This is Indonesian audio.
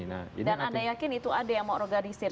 dan anda yakin itu ada yang mau organisir semuanya